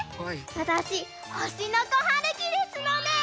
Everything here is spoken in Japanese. わたしほしのこはるきですので。